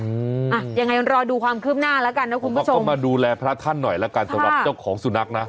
อืมอย่างไรก็รอดูความเคลื่อนหน้าแล้วกันเขาก็มาดูแลพระท่านหน่อยแล้วกันสำหรับเจ้าของสุนัขนะ